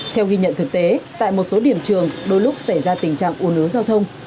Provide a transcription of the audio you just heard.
theo ghi nhận thực tế tại một số điểm trường đôi lúc xảy ra tình trạng ồn ứa giao thông